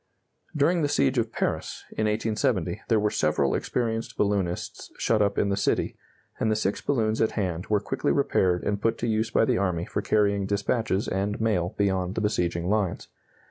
During the siege of Paris, in 1870, there were several experienced balloonists shut up in the city, and the six balloons at hand were quickly repaired and put to use by the army for carrying dispatches and mail beyond the besieging lines.